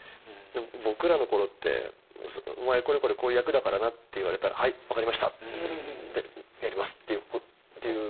僕らの頃って「お前これこれこういう役だからな」って言われたら「はい分かりました」って「やります」っていう。